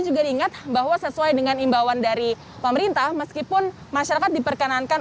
juga diingat bahwa sesuai dengan imbauan dari pemerintah meskipun masyarakat diperkenankan